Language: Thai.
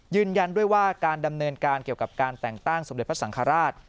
ยืนยันด้วยว่าการดำเนินการเกี่ยวกับการแต่งตั้งสมเด็จพระสังฆราช